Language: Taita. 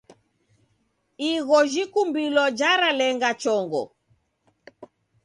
Igho jikumbilo jaralenga chongo.